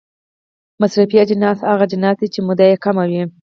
مصرفي اجناس هغه اجناس دي چې موده یې کمه وي.